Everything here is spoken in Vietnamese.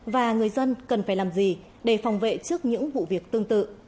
và người dân cần phải làm gì để phòng vệ trước những vụ việc tương tự